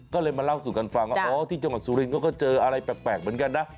ก็เลยมาเล่าสู่กันฟังว่าอ๋อที่จังหวัดสุรินทร์เขาก็เจออะไรแปลกเหมือนกันนะ